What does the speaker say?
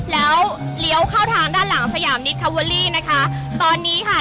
แล้วเลี้ยวเข้าทางด้านหลังสยามนิดคาเวอรี่นะคะตอนนี้ค่ะ